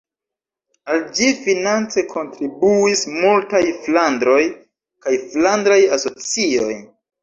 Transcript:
Al ĝi finance kontribuis multaj flandroj kaj flandraj asocioj.